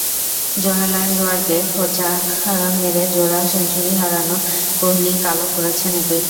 জোহানেসবার্গে খোঁচা মেরে জোড়া সেঞ্চুরি হারানো কোহলি কালও করেছেন একই কাজ।